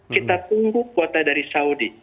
kita tunggu kuota dari saudi